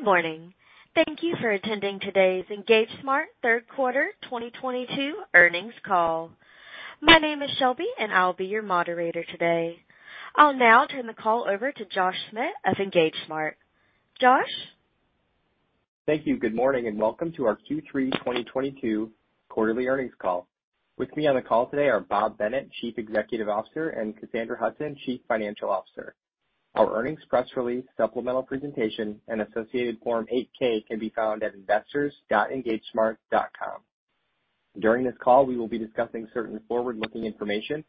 Good morning. Thank you for attending today's EngageSmart third quarter 2022 earnings call. My name is Shelby, and I'll be your moderator today. I'll now turn the call over to Josh Schmidt of EngageSmart. Josh. Thank you. Good morning, and welcome to our Q3 2022 quarterly earnings call. With me on the call today are Bob Bennett, Chief Executive Officer, and Cassandra Hudson, Chief Financial Officer. Our earnings press release, supplemental presentation, and associated Form 8-K can be found at investors.engagesmart.com. During this call, we will be discussing certain forward-looking information.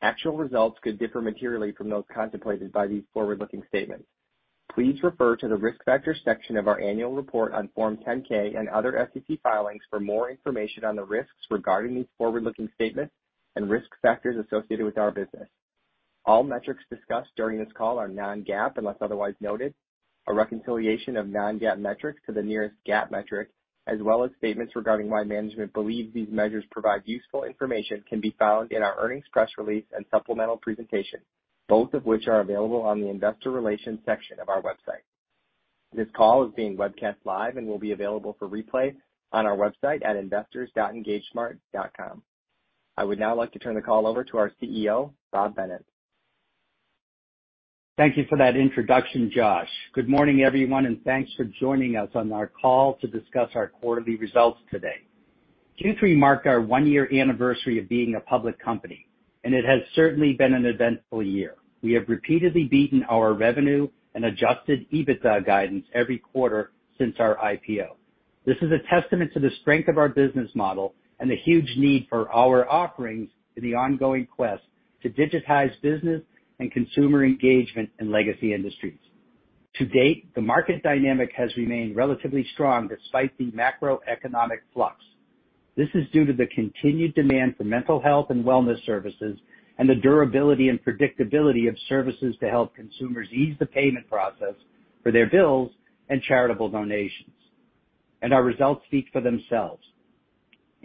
Actual results could differ materially from those contemplated by these forward-looking statements. Please refer to the Risk Factors section of our annual report on Form 10-K and other SEC filings for more information on the risks regarding these forward-looking statements and risk factors associated with our business. All metrics discussed during this call are non-GAAP, unless otherwise noted. A reconciliation of non-GAAP metrics to the nearest GAAP metric, as well as statements regarding why management believes these measures provide useful information can be found in our earnings press release and supplemental presentation, both of which are available on the Investor Relations section of our website. This call is being webcast live and will be available for replay on our website at investors.engagesmart.com. I would now like to turn the call over to our CEO, Bob Bennett. Thank you for that introduction, Josh. Good morning, everyone, and thanks for joining us on our call to discuss our quarterly results today. Q3 marked our one-year anniversary of being a public company, and it has certainly been an eventful year. We have repeatedly beaten our revenue and adjusted EBITDA guidance every quarter since our IPO. This is a testament to the strength of our business model and the huge need for our offerings in the ongoing quest to digitize business and consumer engagement in legacy industries. To date, the market dynamic has remained relatively strong despite the macroeconomic flux. This is due to the continued demand for mental health and wellness services and the durability and predictability of services to help consumers ease the payment process for their bills and charitable donations. Our results speak for themselves.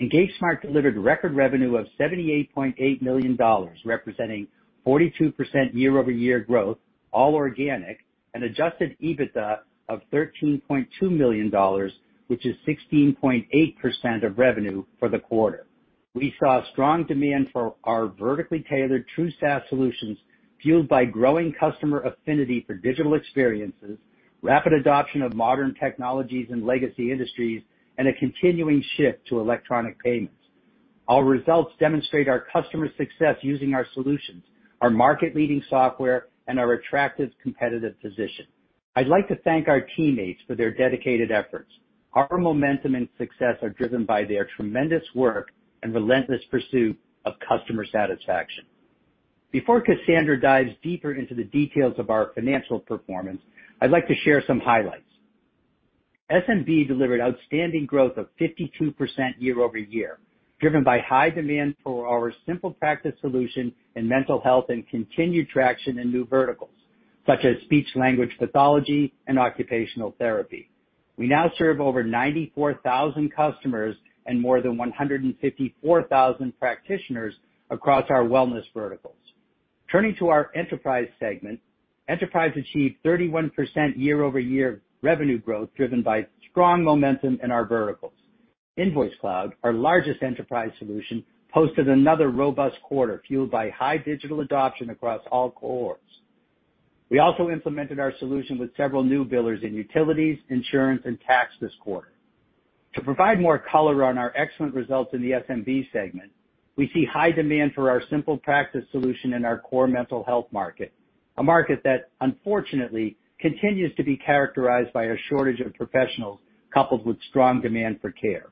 EngageSmart delivered record revenue of $78.8 million, representing 42% year-over-year growth, all organic, and adjusted EBITDA of $13.2 million, which is 16.8% of revenue for the quarter. We saw strong demand for our vertically tailored true SaaS solutions, fueled by growing customer affinity for digital experiences, rapid adoption of modern technologies in legacy industries, and a continuing shift to electronic payments. Our results demonstrate our customer success using our solutions, our market-leading software, and our attractive competitive position. I'd like to thank our teammates for their dedicated efforts. Our momentum and success are driven by their tremendous work and relentless pursuit of customer satisfaction. Before Cassandra dives deeper into the details of our financial performance, I'd like to share some highlights. SMB delivered outstanding growth of 52% year-over-year, driven by high demand for our SimplePractice solution in mental health and continued traction in new verticals, such as speech language pathology and occupational therapy. We now serve over 94,000 customers and more than 154,000 practitioners across our wellness verticals. Turning to our enterprise segment, enterprise achieved 31% year-over-year revenue growth, driven by strong momentum in our verticals. InvoiceCloud, our largest enterprise solution, posted another robust quarter, fueled by high digital adoption across all cohorts. We also implemented our solution with several new billers in utilities, insurance, and tax this quarter. To provide more color on our excellent results in the SMB segment, we see high demand for our SimplePractice solution in our core mental health market, a market that unfortunately continues to be characterized by a shortage of professionals coupled with strong demand for care.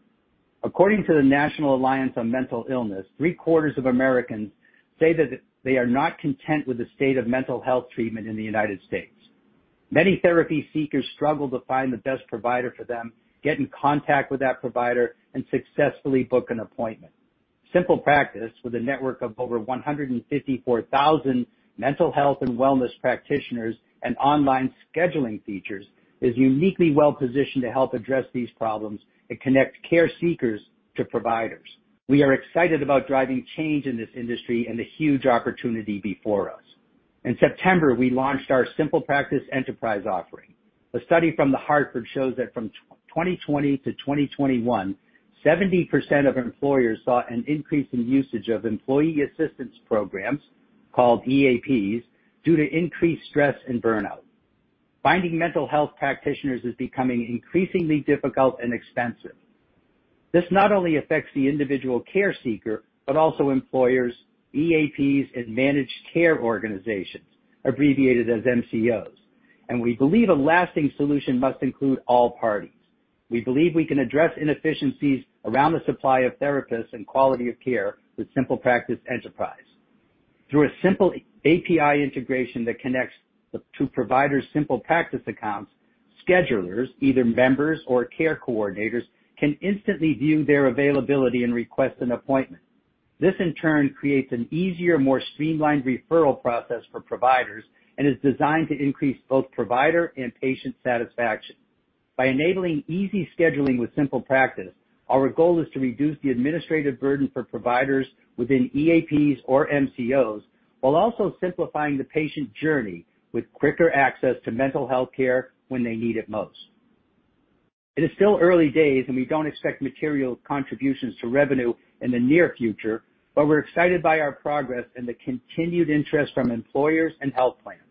According to the National Alliance on Mental Illness, three-quarters of Americans say that they are not content with the state of mental health treatment in the United States. Many therapy seekers struggle to find the best provider for them, get in contact with that provider, and successfully book an appointment. SimplePractice, with a network of over 154,000 mental health and wellness practitioners and online scheduling features, is uniquely well positioned to help address these problems and connect care seekers to providers. We are excited about driving change in this industry and the huge opportunity before us. In September, we launched our SimplePractice Enterprise offering. A study from The Hartford shows that from 2020 to 2021, 70% of employers saw an increase in usage of employee assistance programs, called EAPs, due to increased stress and burnout. Finding mental health practitioners is becoming increasingly difficult and expensive. This not only affects the individual care seeker, but also employers, EAPs, and Managed Care Organizations, abbreviated as MCOs. We believe a lasting solution must include all parties. We believe we can address inefficiencies around the supply of therapists and quality of care with SimplePractice Enterprise. Through a simple API integration that connects the two providers' SimplePractice accounts, schedulers, either members or care coordinators, can instantly view their availability and request an appointment. This, in turn, creates an easier, more streamlined referral process for providers and is designed to increase both provider and patient satisfaction. By enabling easy scheduling with SimplePractice, our goal is to reduce the administrative burden for providers within EAPs or MCOs, while also simplifying the patient journey with quicker access to mental health care when they need it most. It is still early days, and we don't expect material contributions to revenue in the near future, but we're excited by our progress and the continued interest from employers and health plans.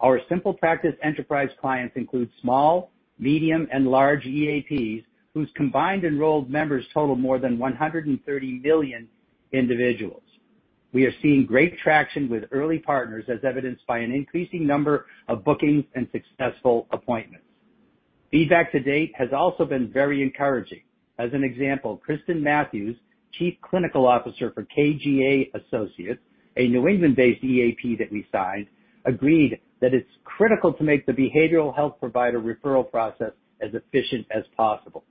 Our SimplePractice Enterprise clients include small, medium, and large EAPs, whose combined enrolled members total more than 130 million individuals. We are seeing great traction with early partners, as evidenced by an increasing number of bookings and successful appointments. Feedback to date has also been very encouraging. As an example, Kristin Matthews, Chief Clinical Officer for KGA, Inc., a New England-based EAP that we signed, agreed that it's critical to make the behavioral health provider referral process as efficient as possible.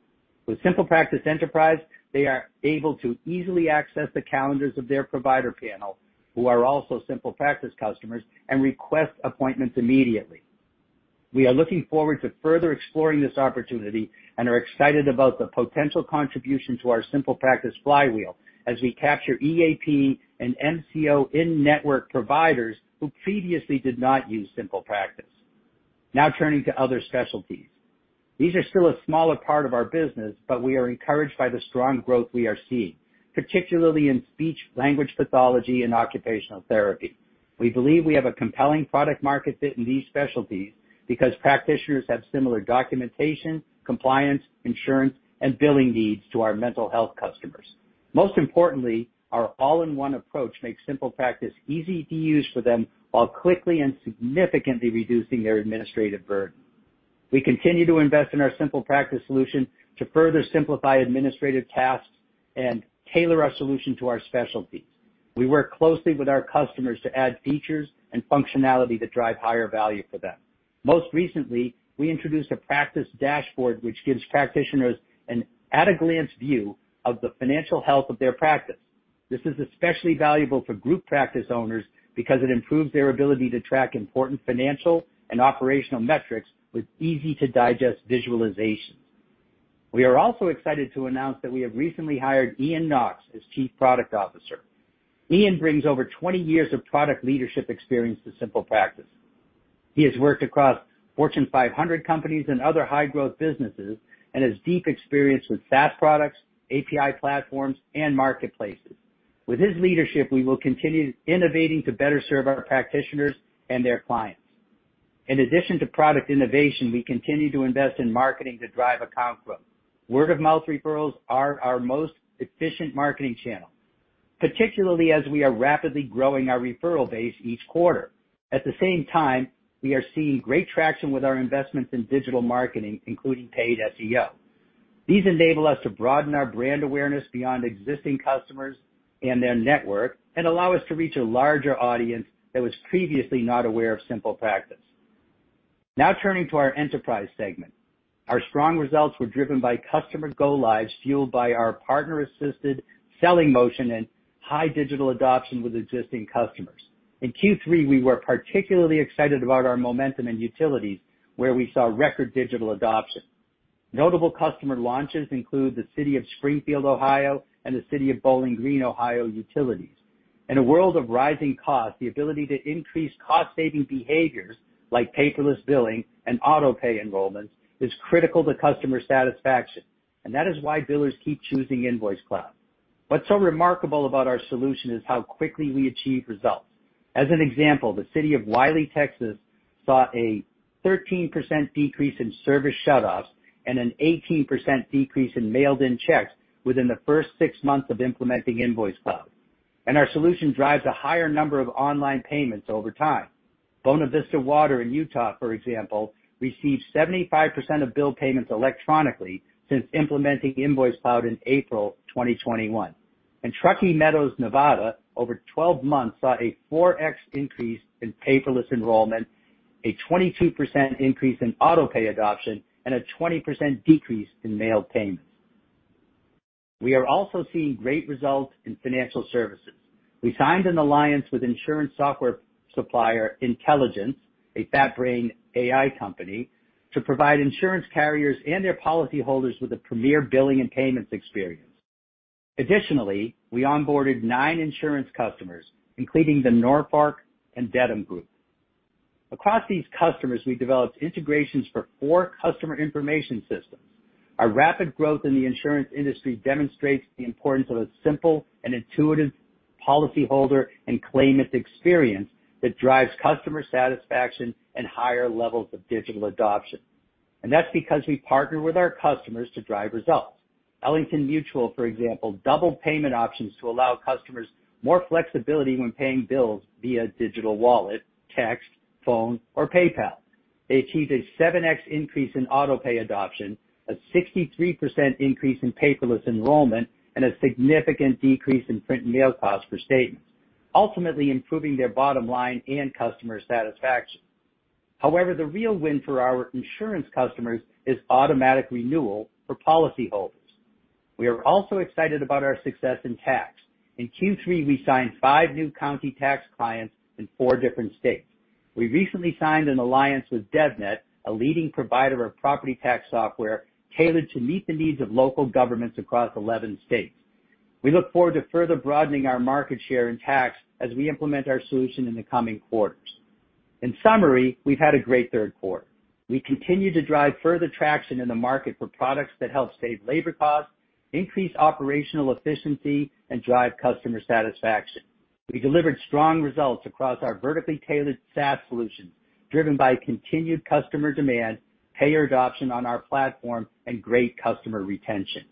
With SimplePractice Enterprise, they are able to easily access the calendars of their provider panel, who are also SimplePractice customers, and request appointments immediately. We are looking forward to further exploring this opportunity and are excited about the potential contribution to our SimplePractice flywheel as we capture EAP and MCO in-network providers who previously did not use SimplePractice. Now turning to other specialties. These are still a smaller part of our business, but we are encouraged by the strong growth we are seeing, particularly in speech language pathology and occupational therapy. We believe we have a compelling product market fit in these specialties because practitioners have similar documentation, compliance, insurance, and billing needs to our mental health customers. Most importantly, our all-in-one approach makes SimplePractice easy to use for them while quickly and significantly reducing their administrative burden. We continue to invest in our SimplePractice solution to further simplify administrative tasks and tailor our solution to our specialties. We work closely with our customers to add features and functionality that drive higher value for them. Most recently, we introduced a practice dashboard, which gives practitioners an at-a-glance view of the financial health of their practice. This is especially valuable for group practice owners because it improves their ability to track important financial and operational metrics with easy-to-digest visualizations. We are also excited to announce that we have recently hired Ian Knox as Chief Product Officer. Ian brings over 20 years of product leadership experience to SimplePractice. He has worked across Fortune 500 companies and other high-growth businesses, and has deep experience with SaaS products, API platforms, and marketplaces. With his leadership, we will continue innovating to better serve our practitioners and their clients. In addition to product innovation, we continue to invest in marketing to drive account growth. Word-of-mouth referrals are our most efficient marketing channel, particularly as we are rapidly growing our referral base each quarter. At the same time, we are seeing great traction with our investments in digital marketing, including paid SEO. These enable us to broaden our brand awareness beyond existing customers and their network and allow us to reach a larger audience that was previously not aware of SimplePractice. Now turning to our enterprise segment. Our strong results were driven by customer go lives, fueled by our partner-assisted selling motion and high digital adoption with existing customers. In Q3, we were particularly excited about our momentum in utilities, where we saw record digital adoption. Notable customer launches include the City of Springfield, Ohio, and the City of Bowling Green, Ohio Utilities. In a world of rising costs, the ability to increase cost-saving behaviors like paperless billing and auto-pay enrollments is critical to customer satisfaction, and that is why billers keep choosing InvoiceCloud. What's so remarkable about our solution is how quickly we achieve results. As an example, the City of Wylie, Texas, saw a 13% decrease in service shutoffs and an 18% decrease in mailed-in checks within the first six months of implementing InvoiceCloud. Our solution drives a higher number of online payments over time. Bona Vista Water in Utah, for example, received 75% of bill payments electronically since implementing InvoiceCloud in April 2021. Truckee Meadows, Nevada, over 12 months, saw a 4x increase in paperless enrollment, a 22% increase in auto-pay adoption, and a 20% decrease in mail payments. We are also seeing great results in financial services. We signed an alliance with insurance software supplier Intellagents, a FatBrain AI company, to provide insurance carriers and their policyholders with a premier billing and payments experience. Additionally, we onboarded nine insurance customers, including The Norfolk & Dedham Group. Across these customers, we developed integrations for four customer information systems. Our rapid growth in the insurance industry demonstrates the importance of a simple and intuitive policyholder and claimant experience that drives customer satisfaction and higher levels of digital adoption. That's because we partner with our customers to drive results. Ellington Mutual, for example, doubled payment options to allow customers more flexibility when paying bills via digital wallet, text, phone, or PayPal. They achieved a 7x increase in auto-pay adoption, a 63% increase in paperless enrollment, and a significant decrease in print and mail costs for statements, ultimately improving their bottom line and customer satisfaction. However, the real win for our insurance customers is automatic renewal for policyholders. We are also excited about our success in tax. In Q3, we signed five new county tax clients in four different states. We recently signed an alliance with DEVNET, a leading provider of property tax software tailored to meet the needs of local governments across 11 states. We look forward to further broadening our market share in tax as we implement our solution in the coming quarters. In summary, we've had a great third quarter. We continue to drive further traction in the market for products that help save labor costs, increase operational efficiency, and drive customer satisfaction. We delivered strong results across our vertically tailored SaaS solutions, driven by continued customer demand, payer adoption on our platform, and great customer retention.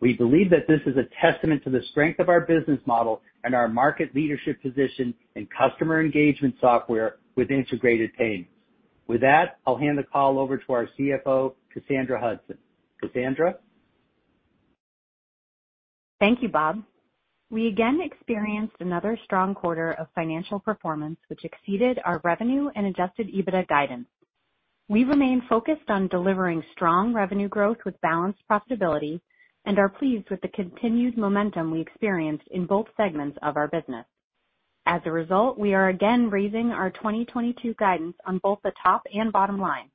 We believe that this is a testament to the strength of our business model and our market leadership position in customer engagement software with integrated payments. With that, I'll hand the call over to our CFO, Cassandra Hudson. Cassandra? Thank you, Bob. We again experienced another strong quarter of financial performance, which exceeded our revenue and adjusted EBITDA guidance. We remain focused on delivering strong revenue growth with balanced profitability and are pleased with the continued momentum we experienced in both segments of our business. As a result, we are again raising our 2022 guidance on both the top and bottom line.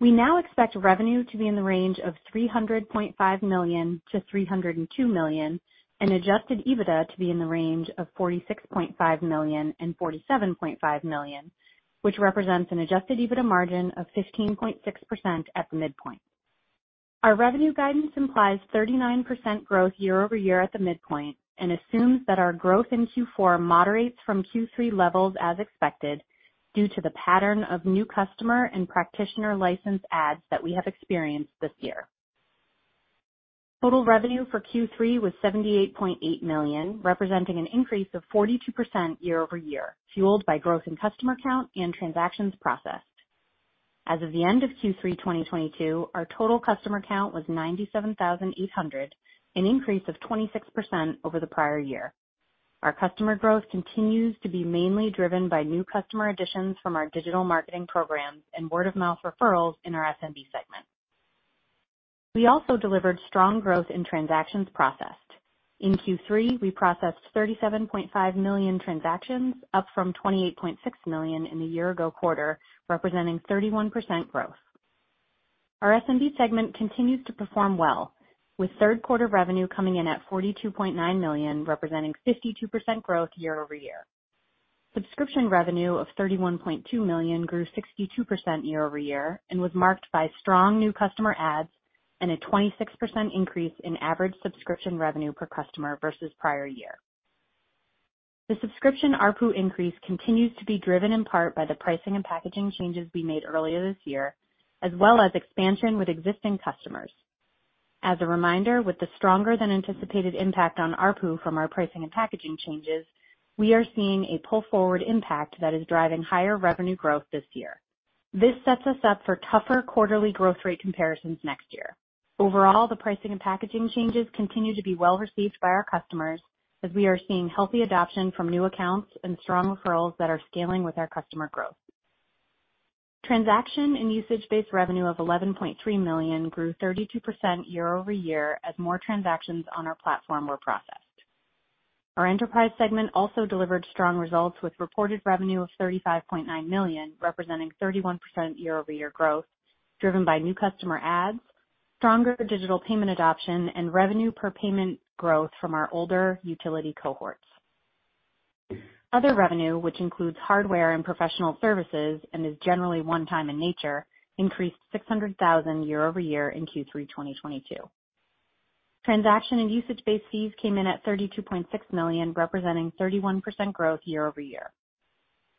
We now expect revenue to be in the range of $300.5 million-$302 million, and adjusted EBITDA to be in the range of $46.5 million-$47.5 million, which represents an adjusted EBITDA margin of 15.6% at the midpoint. Our revenue guidance implies 39% growth year-over-year at the midpoint and assumes that our growth in Q4 moderates from Q3 levels as expected, due to the pattern of new customer and practitioner license adds that we have experienced this year. Total revenue for Q3 was $78.8 million, representing an increase of 42% year-over-year, fueled by growth in customer count and transactions processed. As of the end of Q3 2022, our total customer count was 97,800, an increase of 26% over the prior year. Our customer growth continues to be mainly driven by new customer additions from our digital marketing programs and word of mouth referrals in our SMB segment. We also delivered strong growth in transactions processed. In Q3, we processed 37.5 million transactions, up from 28.6 million in the year-ago quarter, representing 31% growth. Our SMB segment continues to perform well, with third quarter revenue coming in at $42.9 million, representing 52% growth year-over-year. Subscription revenue of $31.2 million grew 62% year-over-year and was marked by strong new customer adds and a 26% increase in average subscription revenue per customer versus prior year. The subscription ARPU increase continues to be driven in part by the pricing and packaging changes we made earlier this year, as a reminder, with the stronger than anticipated impact on ARPU from our pricing and packaging changes, we are seeing a pull-forward impact that is driving higher revenue growth this year. This sets us up for tougher quarterly growth rate comparisons next year. Overall, the pricing and packaging changes continue to be well-received by our customers as we are seeing healthy adoption from new accounts and strong referrals that are scaling with our customer growth. Transaction and usage-based revenue of $11.3 million grew 32% year-over-year as more transactions on our platform were processed. Our enterprise segment also delivered strong results, with reported revenue of $35.9 million, representing 31% year-over-year growth, driven by new customer adds, stronger digital payment adoption, and revenue per payment growth from our older utility cohorts. Other revenue, which includes hardware and professional services and is generally one-time in nature, increased $600,000 year-over-year in Q3 2022. Transaction and usage-based fees came in at $32.6 million, representing 31% growth year-over-year.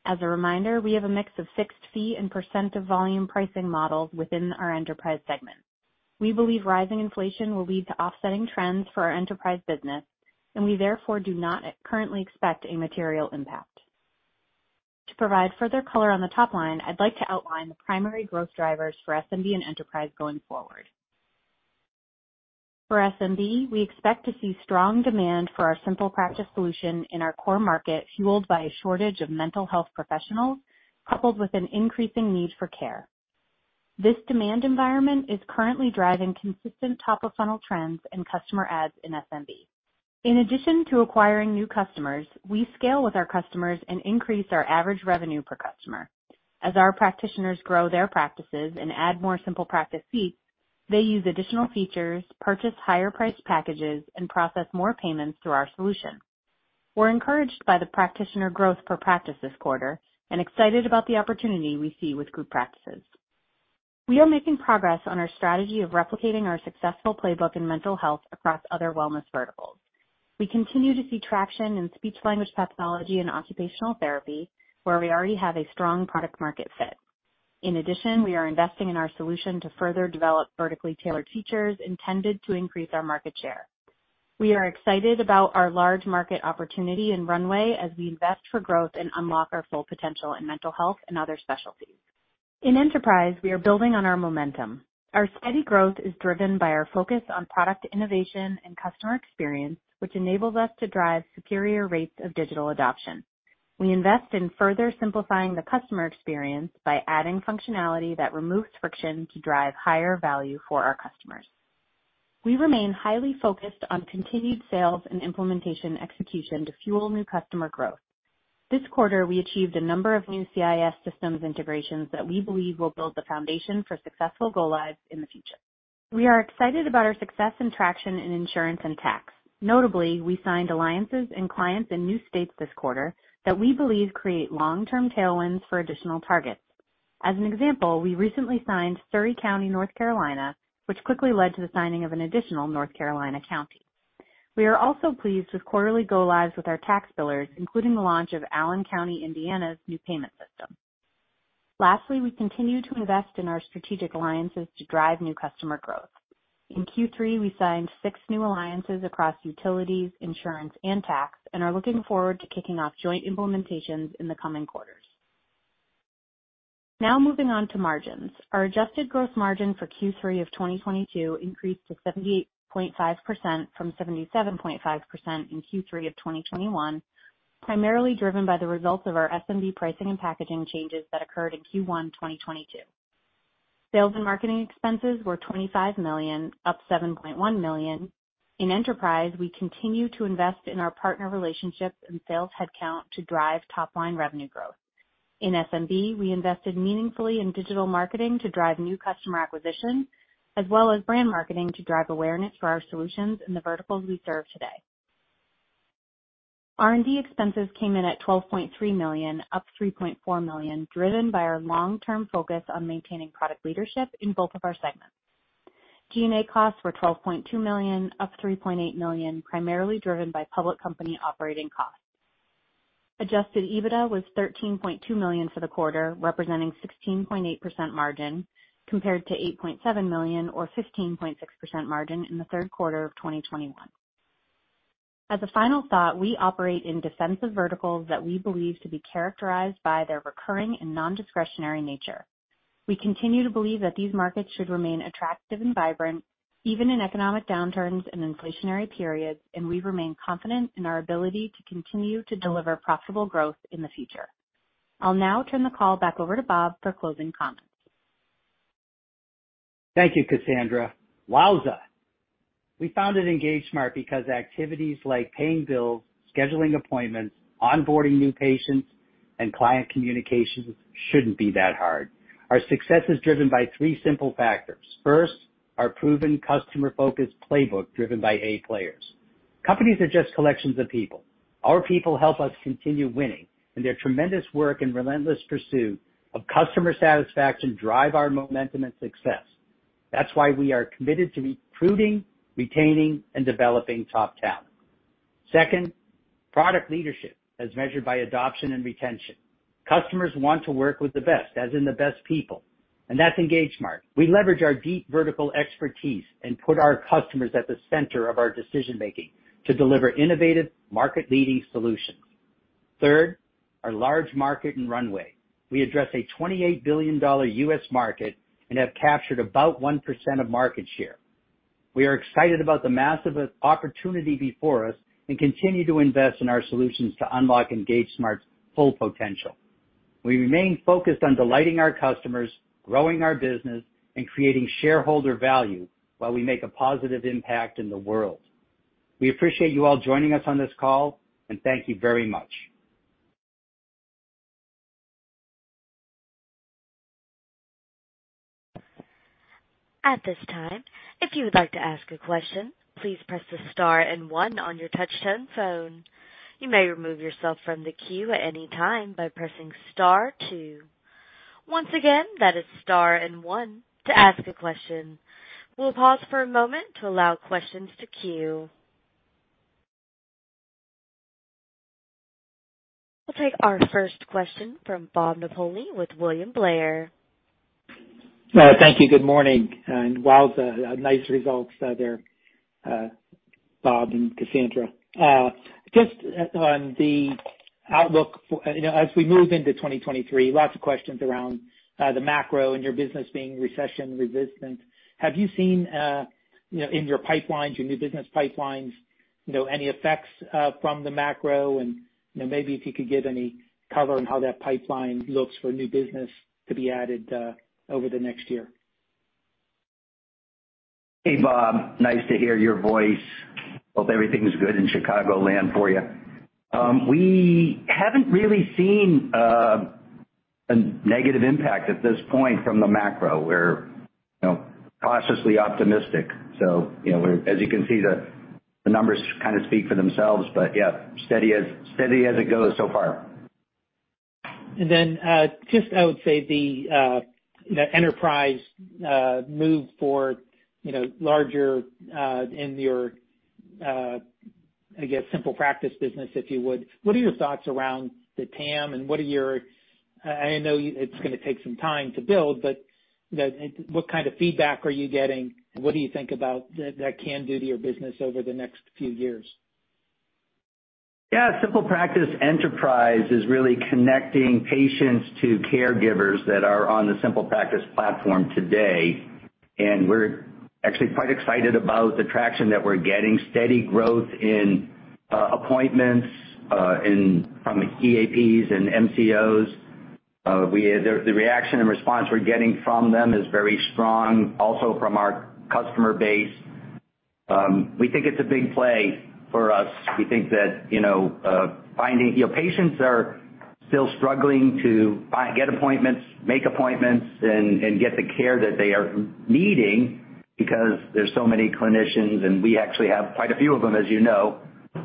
As a reminder, we have a mix of fixed fee and percent of volume pricing models within our enterprise segment. We believe rising inflation will lead to offsetting trends for our enterprise business, and we therefore do not currently expect a material impact. To provide further color on the top line, I'd like to outline the primary growth drivers for SMB and enterprise going forward. For SMB, we expect to see strong demand for our SimplePractice solution in our core market, fueled by a shortage of mental health professionals, coupled with an increasing need for care. This demand environment is currently driving consistent top of funnel trends and customer adds in SMB. In addition to acquiring new customers, we scale with our customers and increase our average revenue per customer. As our practitioners grow their practices and add more SimplePractice seats, they use additional features, purchase higher priced packages, and process more payments through our solution. We're encouraged by the practitioner growth per practice this quarter and excited about the opportunity we see with group practices. We are making progress on our strategy of replicating our successful playbook in mental health across other wellness verticals. We continue to see traction in speech language pathology and occupational therapy, where we already have a strong product market fit. In addition, we are investing in our solution to further develop vertically tailored features intended to increase our market share. We are excited about our large market opportunity and runway as we invest for growth and unlock our full potential in mental health and other specialties. In enterprise, we are building on our momentum. Our steady growth is driven by our focus on product innovation and customer experience, which enables us to drive superior rates of digital adoption. We invest in further simplifying the customer experience by adding functionality that removes friction to drive higher value for our customers. We remain highly focused on continued sales and implementation execution to fuel new customer growth. This quarter, we achieved a number of new CIS systems integrations that we believe will build the foundation for successful go lives in the future. We are excited about our success and traction in insurance and tax. Notably, we signed alliances and clients in new states this quarter that we believe create long-term tailwinds for additional targets. As an example, we recently signed Surry County, North Carolina, which quickly led to the signing of an additional North Carolina county. We are also pleased with quarterly go-lives with our tax billers, including the launch of Allen County, Indiana's new payment system. Lastly, we continue to invest in our strategic alliances to drive new customer growth. In Q3, we signed six new alliances across utilities, insurance and tax, and are looking forward to kicking off joint implementations in the coming quarters. Now moving on to margins. Our adjusted gross margin for Q3 of 2022 increased to 78.5% from 77.5% in Q3 of 2021, primarily driven by the results of our SMB pricing and packaging changes that occurred in Q1 2022. Sales and marketing expenses were $25 million, up $7.1 million. In enterprise, we continue to invest in our partner relationships and sales headcount to drive top line revenue growth. In SMB, we invested meaningfully in digital marketing to drive new customer acquisition, as well as brand marketing to drive awareness for our solutions in the verticals we serve today. R&D expenses came in at $12.3 million, up $3.4 million, driven by our long-term focus on maintaining product leadership in both of our segments. G&A costs were $12.2 million, up $3.8 million, primarily driven by public company operating costs. Adjusted EBITDA was $13.2 million for the quarter, representing 16.8% margin compared to $8.7 million or 15.6% margin in the third quarter of 2021. As a final thought, we operate in defensive verticals that we believe to be characterized by their recurring and non-discretionary nature. We continue to believe that these markets should remain attractive and vibrant, even in economic downturns and inflationary periods, and we remain confident in our ability to continue to deliver profitable growth in the future. I'll now turn the call back over to Bob for closing comments. Thank you, Cassandra. Wowza. We founded EngageSmart because activities like paying bills, scheduling appointments, onboarding new patients, and client communications shouldn't be that hard. Our success is driven by three simple factors. First, our proven customer-focused playbook driven by A players. Companies are just collections of people. Our people help us continue winning, and their tremendous work and relentless pursuit of customer satisfaction drive our momentum and success. That's why we are committed to recruiting, retaining, and developing top talent. Second, product leadership as measured by adoption and retention. Customers want to work with the best, as in the best people, and that's EngageSmart. We leverage our deep vertical expertise and put our customers at the center of our decision-making to deliver innovative, market-leading solutions. Third, our large market and runway. We address a $28 billion U.S. market and have captured about 1% of market share. We are excited about the massive opportunity before us and continue to invest in our solutions to unlock EngageSmart's full potential. We remain focused on delighting our customers, growing our business and creating shareholder value while we make a positive impact in the world. We appreciate you all joining us on this call and thank you very much. At this time, if you would like to ask a question, please press the star and one on your touch-tone phone. You may remove yourself from the queue at any time by pressing star two. Once again, that is star and one to ask a question. We'll pause for a moment to allow questions to queue. We'll take our first question from Bob Napoli with William Blair. Thank you. Good morning, and wowza, nice results there, Bob and Cassandra. Just on the outlook, you know, as we move into 2023, lots of questions around the macro and your business being recession resistant. Have you seen, you know, in your pipelines, your new business pipelines, you know, any effects from the macro? You know, maybe if you could give any color on how that pipeline looks for new business to be added over the next year. Hey, Bob, nice to hear your voice. Hope everything's good in Chicagoland for you. We haven't really seen a negative impact at this point from the macro. We're, you know, cautiously optimistic. You know, as you can see, the numbers kind of speak for themselves, but yeah, steady as it goes so far. Just, I would say, the enterprise move for, you know, larger in your, I guess, SimplePractice business, if you would. What are your thoughts around the TAM, and what are your? I know it's gonna take some time to build, but what kind of feedback are you getting? What do you think about that that can do to your business over the next few years? Yeah, SimplePractice Enterprise is really connecting patients to caregivers that are on the SimplePractice platform today, and we're actually quite excited about the traction that we're getting. Steady growth in appointments in from the EAPs and MCOs. The reaction and response we're getting from them is very strong, also from our customer base. We think it's a big play for us. We think that, you know, patients are still struggling to get appointments, make appointments, and get the care that they are needing because there's so many clinicians, and we actually have quite a few of them as you know,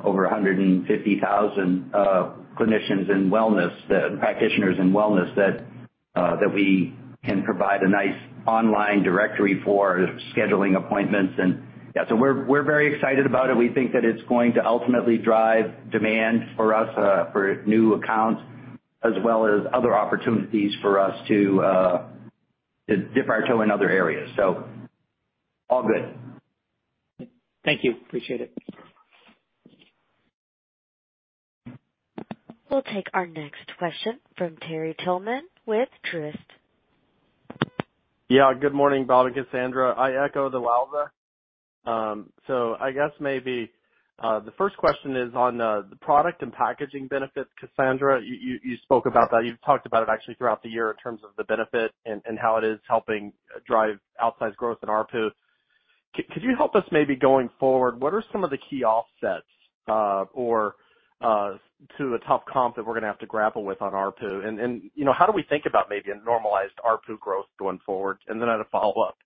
over 150,000 clinicians in wellness practitioners in wellness that we can provide a nice online directory for scheduling appointments. Yeah, we're very excited about it. We think that it's going to ultimately drive demand for us for new accounts as well as other opportunities for us to dip our toe in other areas. All good. Thank you. Appreciate it. We'll take our next question from Terry Tillman with Truist. Yeah. Good morning, Bob and Cassandra. I echo the wowza. So I guess maybe the first question is on the product and packaging benefits. Cassandra, you spoke about that. You've talked about it actually throughout the year in terms of the benefit and how it is helping drive outsized growth in ARPU. Could you help us maybe going forward, what are some of the key offsets or to the tough comp that we're gonna have to grapple with on ARPU? And you know, how do we think about maybe a normalized ARPU growth going forward? And then I had a follow-up.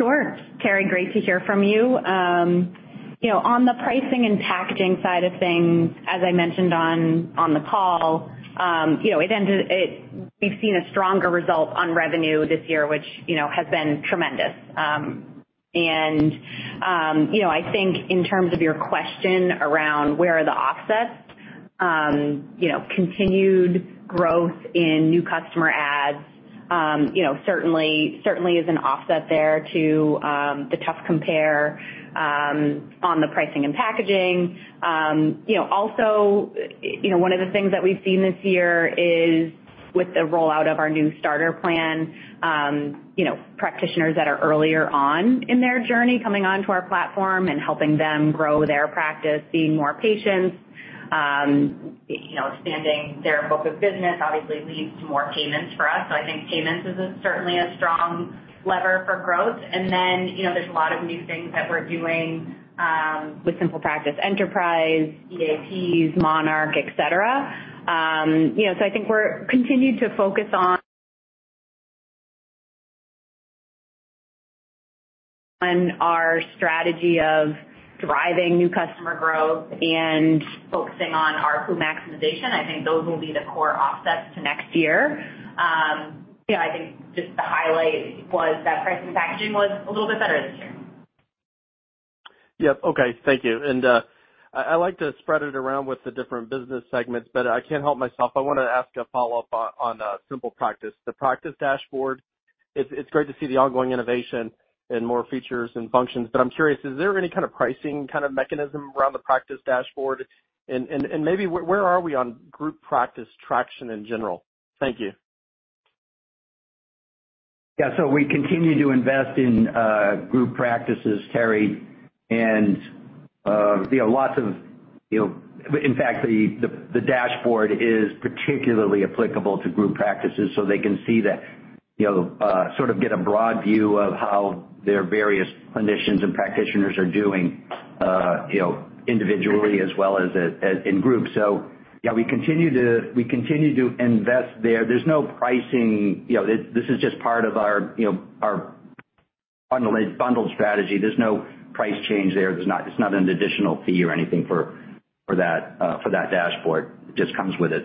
Sure. Terry, great to hear from you. You know, on the pricing and packaging side of things, as I mentioned on the call, you know, we've seen a stronger result on revenue this year, which, you know, has been tremendous. You know, I think in terms of your question around where are the offsets, you know, continued growth in new customer adds, you know, certainly is an offset there to the tough compare on the pricing and packaging. You know, also, you know, one of the things that we've seen this year is with the rollout of our new starter plan, you know, practitioners that are earlier on in their journey coming onto our platform and helping them grow their practice, seeing more patients, you know, expanding their book of business obviously leads to more payments for us. I think payments is certainly a strong lever for growth. Then, you know, there's a lot of new things that we're doing with SimplePractice Enterprise, EAPs, Monarch, et cetera. You know, I think we're continued to focus on our strategy of driving new customer growth and focusing on ARPU maximization. I think those will be the core offsets to next year. You know, I think just to highlight was that price and packaging was a little bit better this year. Yep. Okay. Thank you. I like to spread it around with the different business segments, but I can't help myself. I wanna ask a follow-up on SimplePractice. The practice dashboard, it's great to see the ongoing innovation and more features and functions, but I'm curious, is there any kind of pricing kind of mechanism around the practice dashboard? Maybe where are we on group practice traction in general? Thank you. Yeah. We continue to invest in group practices, Terry, and you know, lots of you know. In fact, the dashboard is particularly applicable to group practices, so they can see you know sort of get a broad view of how their various clinicians and practitioners are doing you know individually as well as in group. Yeah, we continue to invest there. There's no pricing you know this is just part of our you know our bundled strategy. There's no price change there. It's not an additional fee or anything for that dashboard. It just comes with it.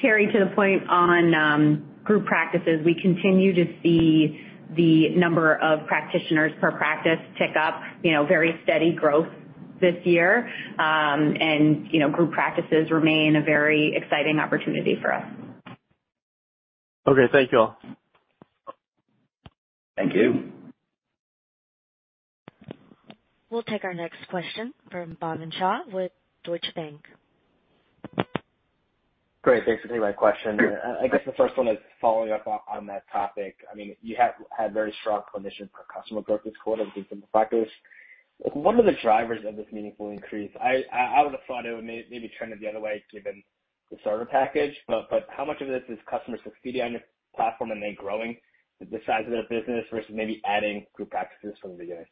Terry, to the point on group practices, we continue to see the number of practitioners per practice tick up, you know, very steady growth this year. Group practices remain a very exciting opportunity for us. Okay. Thank you all. Thank you. We'll take our next question from Bhavin Shah with Deutsche Bank. Great. Thanks for taking my question. I guess the first one is following up on that topic. I mean, you had very strong clinician per customer growth this quarter with SimplePractice. What are the drivers of this meaningful increase? I would have thought it would maybe trend in the other way given the starter package, but how much of this is customers succeeding on your platform and then growing the size of their business versus maybe adding group practices from the beginning?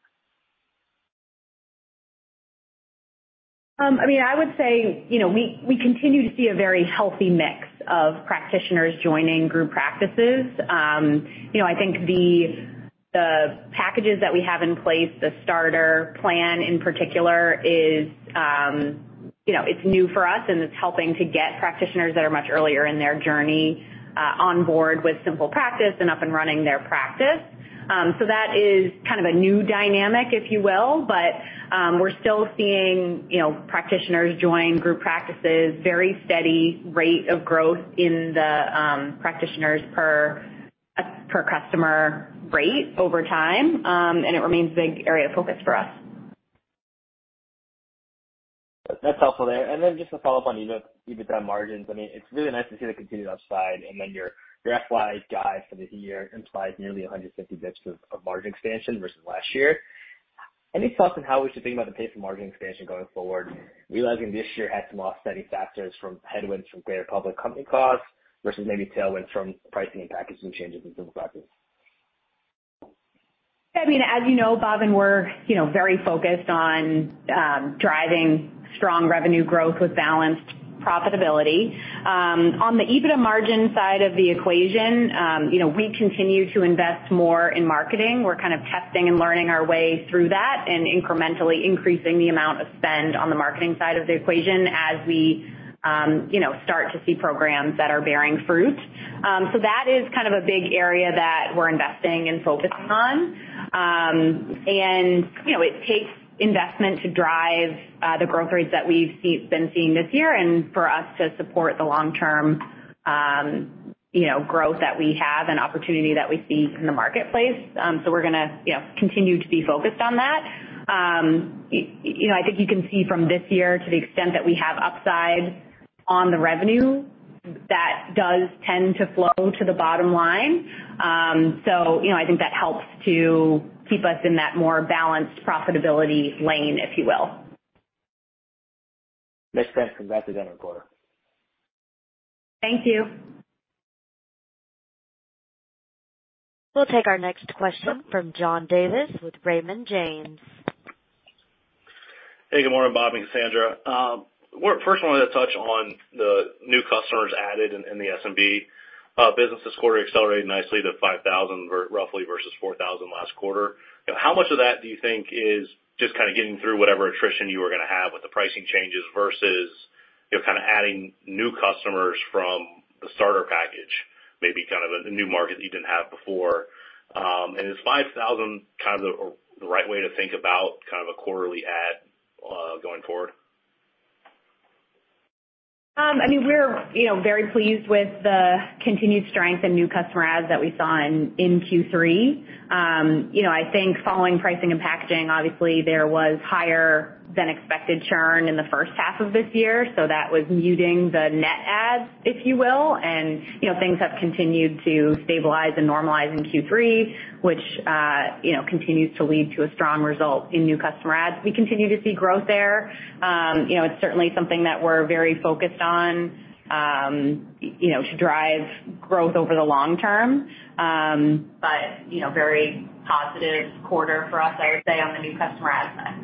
I mean, I would say, you know, we continue to see a very healthy mix of practitioners joining group practices. You know, I think the packages that we have in place, the starter plan in particular is, you know, it's new for us, and it's helping to get practitioners that are much earlier in their journey, on board with SimplePractice and up and running their practice. That is kind of a new dynamic, if you will, but, we're still seeing, you know, practitioners join group practices, very steady rate of growth in the practitioners per customer rate over time. It remains a big area of focus for us. That's helpful there. Then just to follow up on EBITDA margins, I mean, it's really nice to see the continued upside and then your FY guide for the year implies nearly 150 bits of margin expansion versus last year. Any thoughts on how we should think about the pace of margin expansion going forward, realizing this year had some offsetting factors from headwinds from greater public company costs versus maybe tailwinds from pricing and packaging changes in SimplePractice? I mean, as you know, Bhavin we're, you know, very focused on driving strong revenue growth with balanced profitability. On the EBITDA margin side of the equation, you know, we continue to invest more in marketing. We're kind of testing and learning our way through that and incrementally increasing the amount of spend on the marketing side of the equation as we, you know, start to see programs that are bearing fruit. That is kind of a big area that we're investing and focusing on. You know, it takes investment to drive the growth rates that we've been seeing this year and for us to support the long-term, you know, growth that we have and opportunity that we see in the marketplace. We're gonna, you know, continue to be focused on that. You know, I think you can see from this year, to the extent that we have upside on the revenue, that does tend to flow to the bottom line. You know, I think that helps to keep us in that more balanced profitability lane, if you will. Makes sense. Congrats in the end of quarter. Thank you. We'll take our next question from John Davis with Raymond James. Hey, good morning, Bob and Cassandra. First, I wanted to touch on the new customers added in the SMB business this quarter. Accelerated nicely to 5,000, roughly versus 4,000 last quarter. How much of that do you think is just kinda getting through whatever attrition you were gonna have with the pricing changes versus, you know, kinda adding new customers from the starter package, maybe kind of a new market that you didn't have before? Is 5,000 kind of the right way to think about kind of a quarterly add going forward? I mean, we're, you know, very pleased with the continued strength in new customer adds that we saw in Q3. You know, I think following pricing and packaging, obviously there was higher than expected churn in the first half of this year, so that was muting the net adds, if you will. You know, things have continued to stabilize and normalize in Q3, which, you know, continues to lead to a strong result in new customer adds. We continue to see growth there. You know, it's certainly something that we're very focused on, you know, to drive growth over the long term. You know, very positive quarter for us, I would say, on the new customer add side.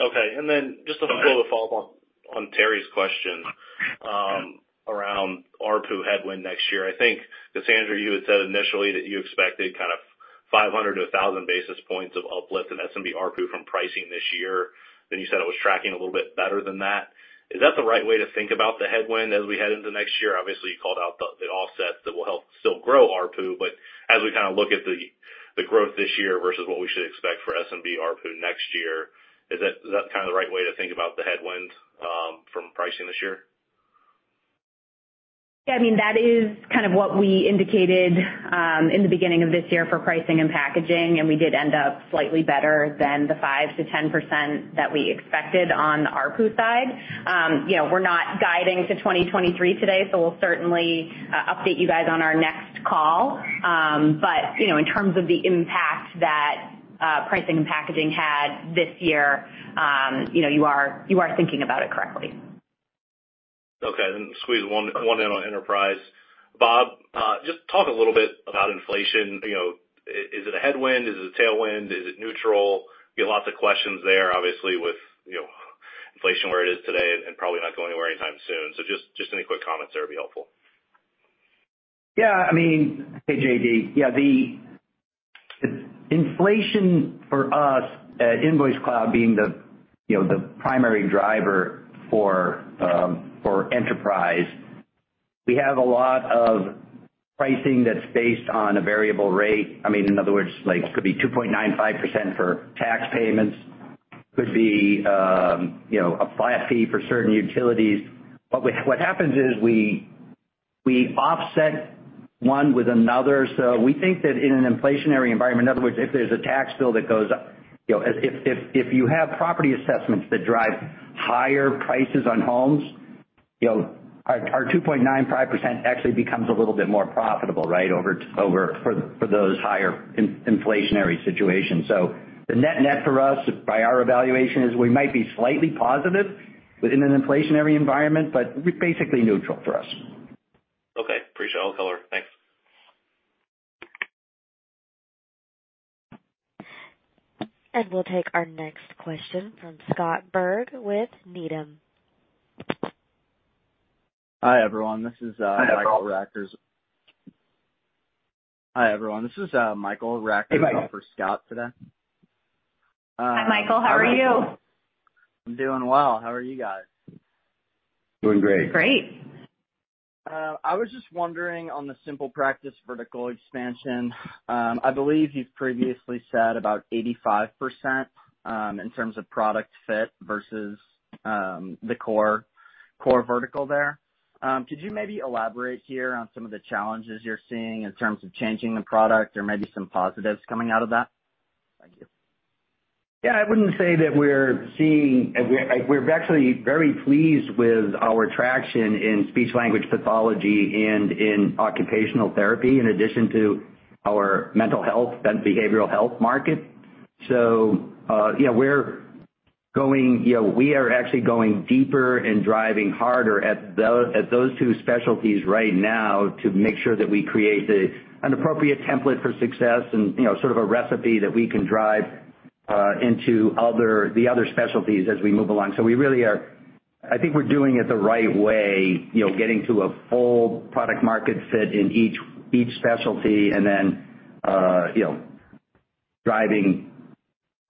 Okay. Then just a quick little follow-up on Terry's question around ARPU headwind next year. I think, Cassandra, you had said initially that you expected kind of 500-1,000 basis points of uplift in SMB ARPU from pricing this year. Then you said it was tracking a little bit better than that. Is that the right way to think about the headwind as we head into next year? Obviously, you called out the offsets that will help still grow ARPU, but as we kinda look at the growth this year versus what we should expect for SMB ARPU next year, is that kinda the right way to think about the headwinds from pricing this year? Yeah, I mean, that is kind of what we indicated in the beginning of this year for pricing and packaging, and we did end up slightly better than the 5%-10% that we expected on the ARPU side. You know, we're not guiding to 2023 today, so we'll certainly update you guys on our next call. You know, in terms of the impact that pricing and packaging had this year, you know, you are thinking about it correctly. Okay, squeeze one in on enterprise. Bob, just talk a little bit about inflation. You know, is it a headwind? Is it a tailwind? Is it neutral? You get lots of questions there, obviously, with, you know, inflation where it is today and probably not going anywhere anytime soon. So just any quick comments there would be helpful. Yeah, I mean, hey, JD. Yeah, the inflation for us at InvoiceCloud being you know, the primary driver for enterprise, we have a lot of pricing that's based on a variable rate. I mean, in other words, like, could be 2.95% for tax payments, could be you know, a flat fee for certain utilities. But what happens is we offset one with another. So we think that in an inflationary environment, in other words, if there's a tax bill that goes up, you know, if you have property assessments that drive higher prices on homes, you know, our 2.95% actually becomes a little bit more profitable, right, over for those higher inflationary situations. The net-net for us, by our evaluation, is we might be slightly positive within an inflationary environment, but we're basically neutral for us. Okay. Appreciate all the color. Thanks. We'll take our next question from Scott Berg with Needham. Hi, everyone. This is Michael Rackers. Hi. Hi, everyone. This is Michael Rackers. Hey, Michael. I'll fill in for Scott today. Hi, Michael. How are you? I'm doing well. How are you guys? Doing great. Great. I was just wondering on the SimplePractice vertical expansion. I believe you've previously said about 85% in terms of product fit versus the core vertical there. Could you maybe elaborate here on some of the challenges you're seeing in terms of changing the product or maybe some positives coming out of that? Thank you. Yeah, I wouldn't say that. We're actually very pleased with our traction in speech-language pathology and in occupational therapy, in addition to our mental health and behavioral health market. Yeah, we're going. You know, we are actually going deeper and driving harder at those two specialties right now to make sure that we create an appropriate template for success and, you know, sort of a recipe that we can drive into the other specialties as we move along. We really are. I think we're doing it the right way, you know, getting to a full product market fit in each specialty and then, you know, driving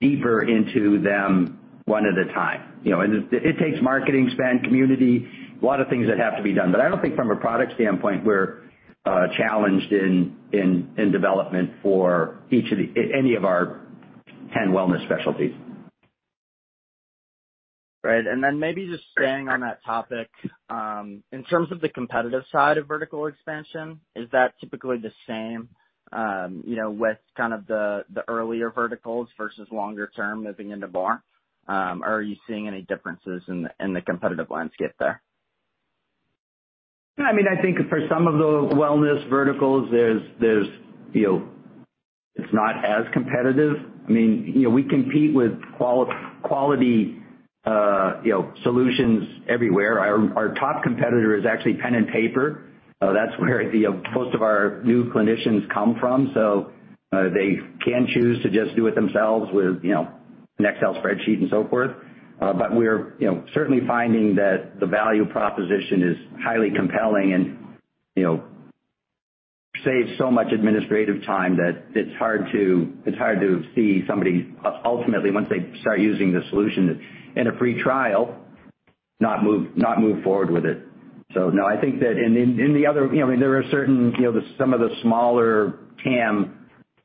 deeper into them one at a time, you know. It takes marketing spend, community, a lot of things that have to be done. I don't think from a product standpoint, we're challenged in development for any of our 10 wellness specialties. Right. Maybe just staying on that topic, in terms of the competitive side of vertical expansion, is that typically the same, you know, with kind of the earlier verticals versus longer term moving into verticals? Are you seeing any differences in the competitive landscape there? No, I mean, I think for some of the wellness verticals, there's, you know. It's not as competitive. I mean, you know, we compete with quality, you know, solutions everywhere. Our top competitor is actually pen and paper. That's where, you know, most of our new clinicians come from, so they can choose to just do it themselves with, you know, an Excel spreadsheet and so forth. We're, you know, certainly finding that the value proposition is highly compelling and, you know, saves so much administrative time that it's hard to see somebody, ultimately, once they start using the solution in a free trial, not move forward with it. No, I think that in the other, you know, I mean, there are certain, you know, some of the smaller TAM,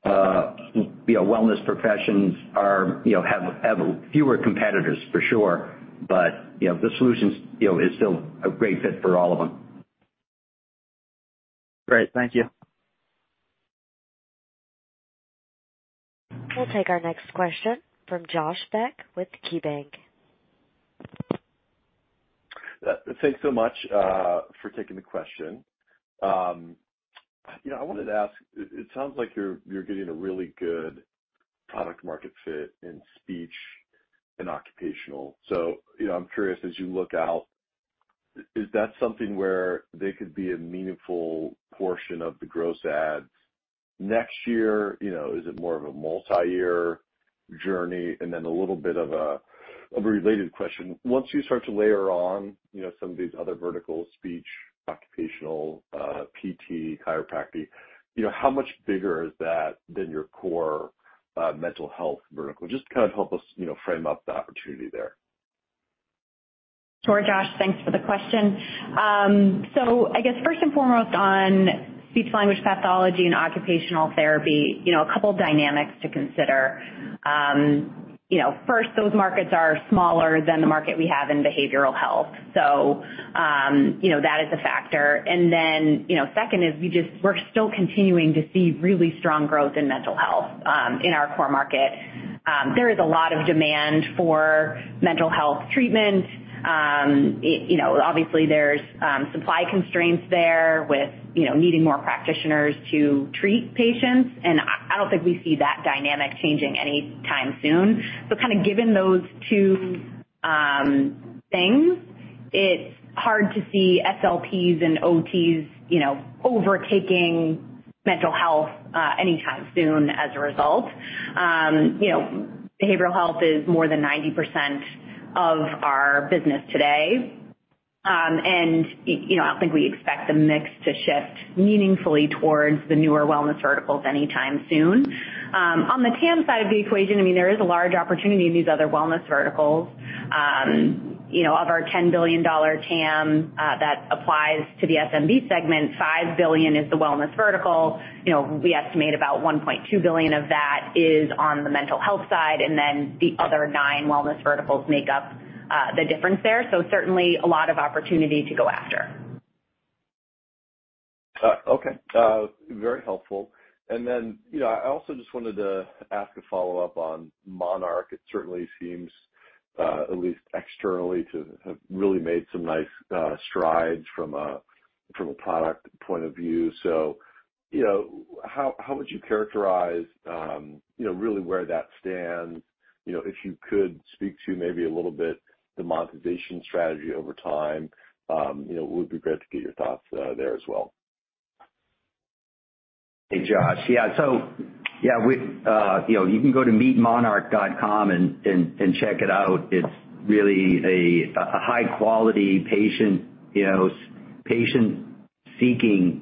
you know, wellness professions are, you know, have fewer competitors for sure. But, you know, the solutions, you know, is still a great fit for all of them. Great. Thank you. We'll take our next question from Josh Beck with KeyBanc. Thanks so much for taking the question. You know, I wanted to ask, it sounds like you're getting a really good product market fit in speech and occupational. You know, I'm curious, as you look out, is that something where they could be a meaningful portion of the gross adds next year? You know, is it more of a multiyear journey? Then a little bit of a related question. Once you start to layer on, you know, some of these other verticals, speech, occupational, PT, chiropractic, you know, how much bigger is that than your core mental health vertical? Just kind of help us, you know, frame up the opportunity there. Sure, Josh. Thanks for the question. I guess first and foremost, on speech-language pathology and occupational therapy, you know, a couple dynamics to consider. You know, first, those markets are smaller than the market we have in behavioral health. You know, that is a factor. You know, second is we're still continuing to see really strong growth in mental health in our core market. There is a lot of demand for mental health treatment. You know, obviously there's supply constraints there with you know, needing more practitioners to treat patients, and I don't think we see that dynamic changing any time soon. Kind of given those two things, it's hard to see SLPs and OTs you know, overtaking mental health anytime soon as a result. You know, behavioral health is more than 90% of our business today. You know, I don't think we expect the mix to shift meaningfully towards the newer wellness verticals anytime soon. On the TAM side of the equation, I mean, there is a large opportunity in these other wellness verticals. You know, of our $10 billion TAM that applies to the SMB segment, $5 billion is the wellness vertical. You know, we estimate about $1.2 billion of that is on the mental health side, and then the other nine wellness verticals make up the difference there. Certainly a lot of opportunity to go after. Okay. Very helpful. You know, I also just wanted to ask a follow-up on Monarch. It certainly seems, at least externally, to have really made some nice strides from a product point of view. You know, how would you characterize, you know, really where that stands? You know, if you could speak to maybe a little bit the monetization strategy over time, you know, it would be great to get your thoughts there as well. Hey, Josh. Yeah. So, yeah, we, you know, you can go to meetmonarch.com and check it out. It's really a high-quality patient, you know, patient-seeking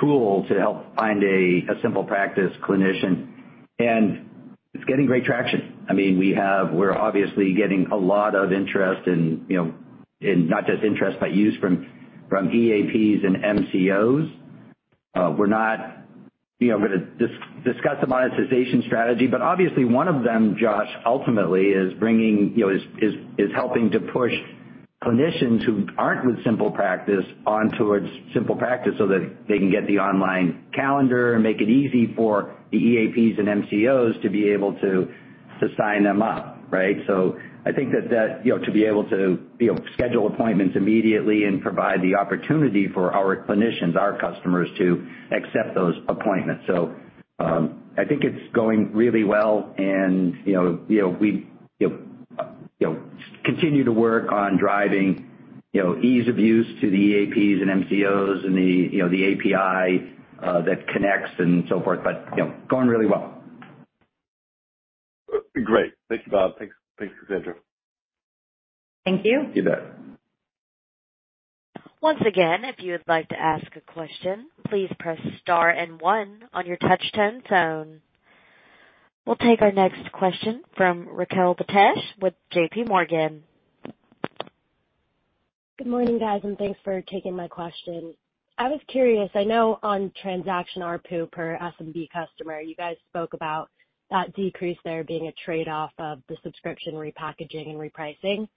tool to help find a simple practice clinician. It's getting great traction. I mean, we're obviously getting a lot of interest in, you know, in not just interest, but use from EAPs and MCOs. We're not, you know, gonna discuss the monetization strategy, but obviously one of them, Josh, ultimately is bringing, you know, is helping to push clinicians who aren't with SimplePractice onto its SimplePractice so that they can get the online calendar and make it easy for the EAPs and MCOs to be able to sign them up, right? I think that, you know, to be able to, you know, schedule appointments immediately and provide the opportunity for our clinicians, our customers to accept those appointments. I think it's going really well and, you know, we, you know, continue to work on driving, you know, ease of use to the EAPs and MCOs and the API that connects and so forth. You know, going really well. Great. Thank you, Bob. Thanks. Thanks, Cassandra. Thank you. You bet. Once again, if you would like to ask a question, please press star and one on your touch tone phone. We'll take our next question from Raquel Betesh with JPMorgan. Good morning, guys, and thanks for taking my question. I was curious. I know on transaction ARPU per SMB customer, you guys spoke about that decrease there being a trade-off of the subscription repackaging and repricing.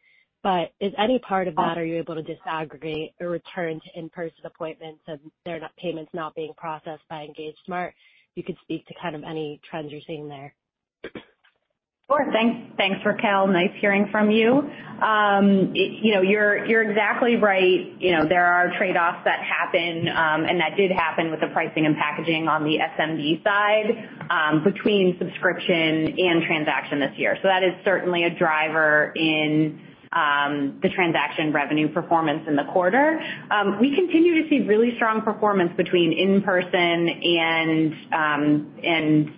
Is any part of that, are you able to disaggregate a return to in-person appointments and there are payments not being processed by EngageSmart, you could speak to kind of any trends you're seeing there? Sure. Thanks, Raquel. Nice hearing from you. You know, you're exactly right. You know, there are trade-offs that happen, and that did happen with the pricing and packaging on the SMB side, between subscription and transaction this year. That is certainly a driver in the transaction revenue performance in the quarter. We continue to see really strong performance between in-person and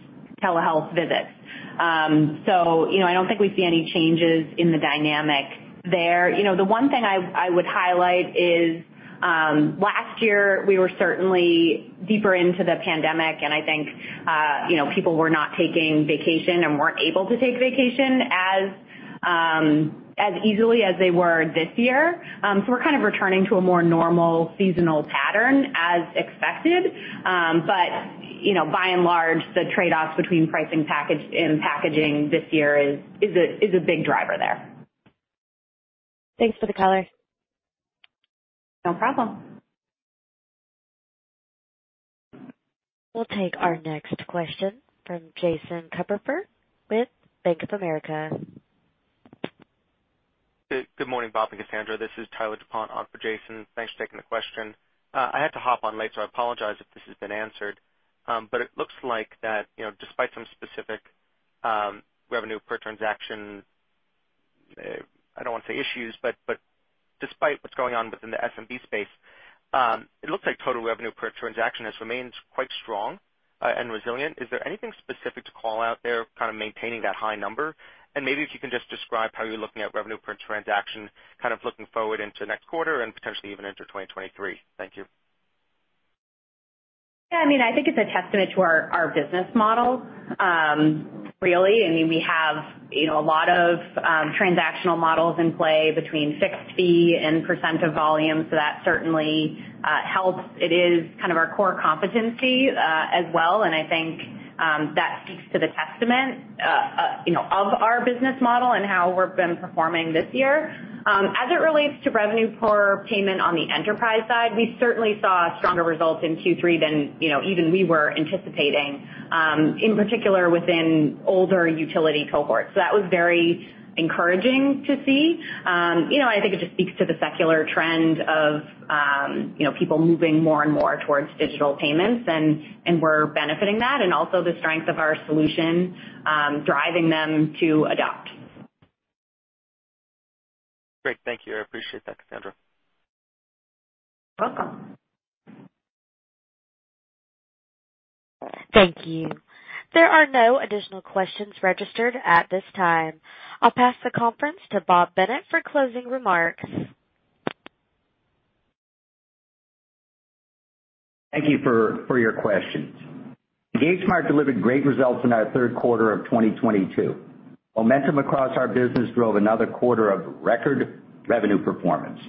telehealth visits. You know, I don't think we see any changes in the dynamic there. You know, the one thing I would highlight is last year we were certainly deeper into the pandemic, and I think you know, people were not taking vacation and weren't able to take vacation as easily as they were this year. We're kind of returning to a more normal seasonal pattern as expected. You know, by and large, the trade-offs between pricing package and packaging this year is a big driver there. Thanks for the color. No problem. We'll take our next question from Jason Kupferberg with Bank of America. Good morning, Bob and Cassandra. This is Tyler DuPont on for Jason. Thanks for taking the question. I had to hop on late, so I apologize if this has been answered. But it looks like that, you know, despite some specific revenue per transaction, I don't wanna say issues, but despite what's going on within the SMB space, it looks like total revenue per transaction has remained quite strong and resilient. Is there anything specific to call out there kind of maintaining that high number? Maybe if you can just describe how you're looking at revenue per transaction, kind of looking forward into next quarter and potentially even into 2023. Thank you. Yeah, I mean, I think it's a testament to our business model, really. I mean, we have, you know, a lot of transactional models in play between fixed fee and percent of volume, so that certainly helps. It is kind of our core competency as well, and I think that speaks to the testament, you know, of our business model and how we've been performing this year. As it relates to revenue per payment on the enterprise side, we certainly saw stronger results in Q3 than, you know, even we were anticipating, in particular within older utility cohorts. So that was very encouraging to see. You know, I think it just speaks to the secular trend of, you know, people moving more and more towards digital payments, and we're benefiting that and also the strength of our solution, driving them to adopt. Great. Thank you. I appreciate that, Cassandra. You're welcome. Thank you. There are no additional questions registered at this time. I'll pass the conference to Bob Bennett for closing remarks. Thank you for your questions. EngageSmart delivered great results in our third quarter of 2022. Momentum across our business drove another quarter of record revenue performance.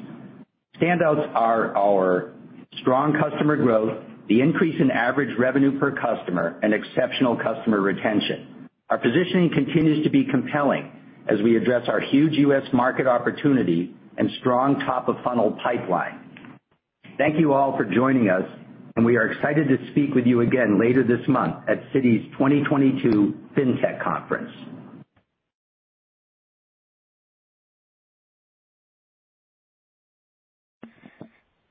Standouts are our strong customer growth, the increase in average revenue per customer and exceptional customer retention. Our positioning continues to be compelling as we address our huge U.S. market opportunity and strong top of funnel pipeline. Thank you all for joining us, and we are excited to speak with you again later this month at Citi's 2022 Fintech conference.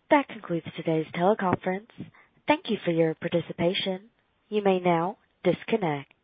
That concludes today's teleconference. Thank you for your participation. You may now disconnect.